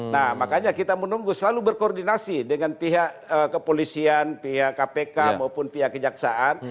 nah makanya kita menunggu selalu berkoordinasi dengan pihak kepolisian pihak kpk maupun pihak kejaksaan